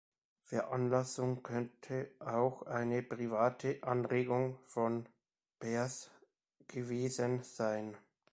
Veranlassung könnte auch eine private Anregung von Behrs gewesen sein.